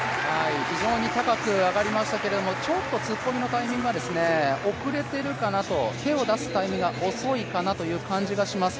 非常に高く上がりましたけれども、ちょっと突っ込みのタイミングが遅れているかなと、手を出すタイミングが遅いかなという感じがします。